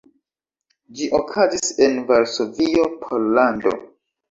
Ĝi okazis en Varsovio, Pollando.